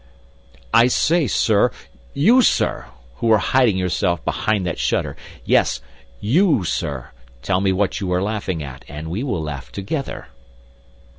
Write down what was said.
"I say, sir, you sir, who are hiding yourself behind that shutter—yes, you, sir, tell me what you are laughing at, and we will laugh together!"